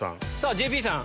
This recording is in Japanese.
ＪＰさん！